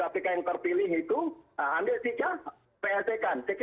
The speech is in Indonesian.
saya kira selesai